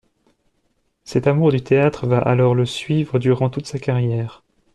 Cet amour du théâtre va alors le suivre durant toute sa carrière.